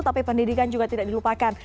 tapi pendidikan juga tidak dilupakan